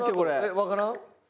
わからん？